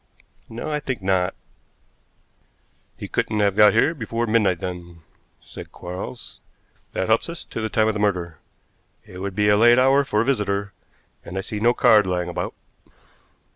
"No, I think not." "He couldn't have got here before midnight, then," said Quarles. "That helps us to the time of the murder. It would be a late hour for a visitor, and I see no card lying about."